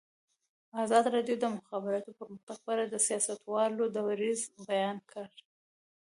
ازادي راډیو د د مخابراتو پرمختګ په اړه د سیاستوالو دریځ بیان کړی.